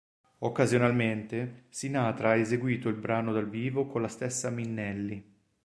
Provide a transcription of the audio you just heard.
Occasionalmente, Sinatra ha eseguito il brano dal vivo con la stessa Minnelli.